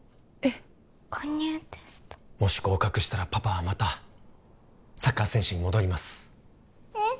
もし合格したらパパはまたサッカー選手に戻りますえっ